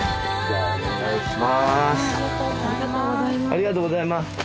ありがとうございます。